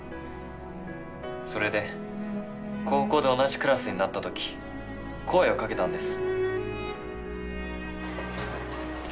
それで高校で同じクラスになった時声をかけたんです。